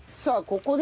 ここで。